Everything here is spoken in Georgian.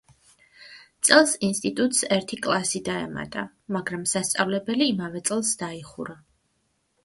წელს ინსტიტუტს ერთი კლასი დაემატა, მაგრამ სასწავლებელი იმავე წელს დაიხურა.